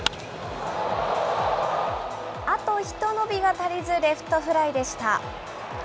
あと一伸びが足りず、レフトフライでした。